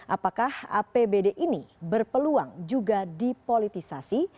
apakah apbd ini berpeluang juga dipolitisasi